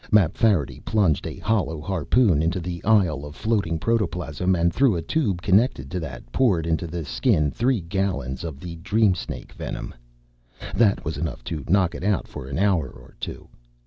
Mapfarity plunged a hollow harpoon into the isle of floating protoplasm and through a tube connected to that poured into the Skin three gallons of the dream snake venom. That was enough to knock it out for an hour or two.